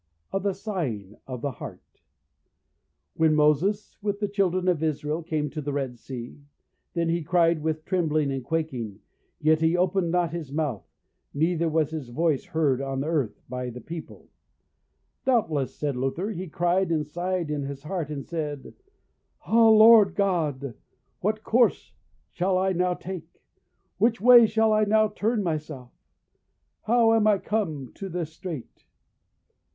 Of the Sighing of the Heart. When Moses, with the children of Israel, came to the Red Sea, then he cried with trembling and quaking, yet he opened not his mouth, neither was his voice heard on earth by the people: doubtless, said Luther, he cried and sighed in his heart, and said, "Ah, Lord God! what course shall I now take? Which way shall I now turn myself? How am I come to this strait?